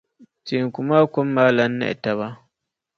teeku maa kom maa lan nahi taba.